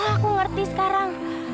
oh aku ngerti sekarang